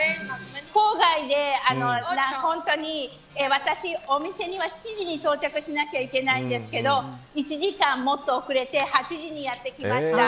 私、お店には７時に到着しなきゃいけないんですけど１時間、もっと遅れて８時にやって来ました。